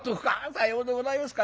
「さようでございますか。